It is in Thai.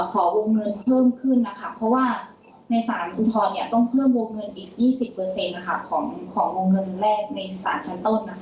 เพราะว่าในสารอุทธรณ์ต้องเพิ่มวงเงินอีก๒๐ของวงเงินแรกในสารชั้นต้นนะคะ